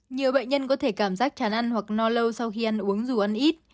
nhiều bệnh nhân có thể cảm giác chán ăn hoặc no lâu sau khi ăn uống dù ăn ít